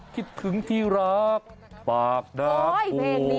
คิดถึงที่รักปากดักโอ้ย